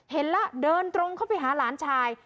เห็นแล้วเดินตรงเข้าไปหาหลานชาย